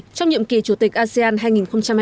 trong nhiệm kỳ chủ tịch asean hai nghìn hai mươi